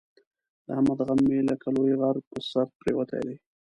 د احمد غم مې لکه لوی غر په سر پرېوتی دی.